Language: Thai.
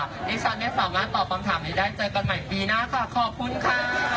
ดิฉันไม่สามารถตอบคำถามนี้ได้เจอกันใหม่ปีหน้าค่ะขอบคุณค่ะ